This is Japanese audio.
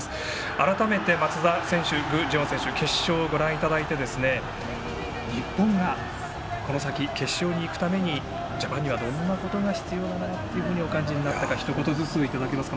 改めて松田選手、具智元選手決勝をご覧いただいて日本がこの先、決勝に行くためにジャパンにはどんなことが必要だなとお感じになったかひと言ずついただけますか。